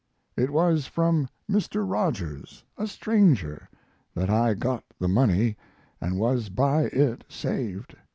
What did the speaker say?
It was from Mr. Rogers, a stranger, that I got the money and was by it saved.